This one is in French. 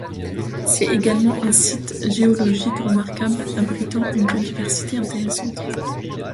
C'est également un site géologique remarquable abritant une biodiversité intéressante.